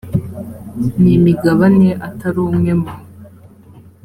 n imigabane atari umwe mu